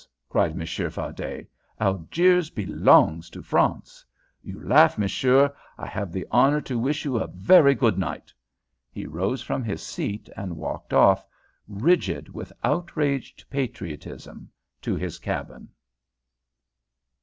cried Monsieur Fardet. "Algiers belongs to France. You laugh, monsieur. I have the honour to wish you a very good night." He rose from his seat, and walked off, rigid with outraged patriotism, to his cabin.